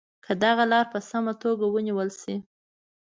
که دغه لاره په سمه توګه ونیول شي.